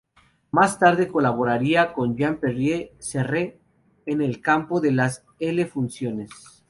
Más tarde colaboraría con Jean-Pierre Serre en el campo de las L-funciones.